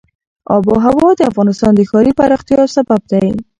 آب وهوا د افغانستان د ښاري پراختیا یو سبب دی.